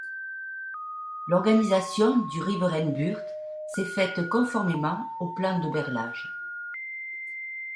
L'organisation du Rivierenbuurt s'est faite conformément au plan de Berlage.